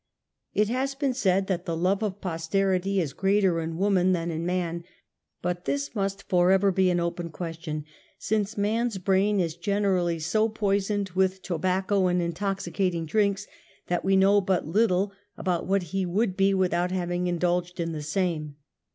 It has been said that "the love of posterity is greater in woman than in man," but this must for ever be an open question, since man's brain is gener ally so poisoned with tobacco and intoxicating drinks, that we know but little about what he would be without having indulged in the same.